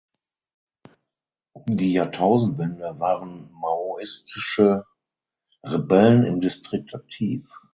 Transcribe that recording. Um die Jahrtausendwende waren maoistische Rebellen im Distrikt aktiv.